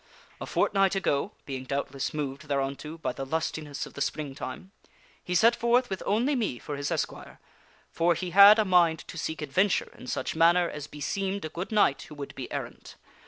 A fortnight ago (being doubtless moved thereunto by the lustiness of the Springtime), he set forth with only me for his esquire, for he had a mind to seek adventure in such manner as beseemed a good knight who would be errant.